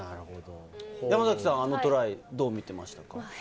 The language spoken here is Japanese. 山崎さん、あのトライはどう見てましたか？